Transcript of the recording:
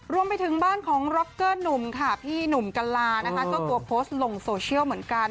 รวมไปถึงบ้านของร็อกเกอร์หนุ่มค่ะพี่หนุ่มกัลลานะคะเจ้าตัวโพสต์ลงโซเชียลเหมือนกัน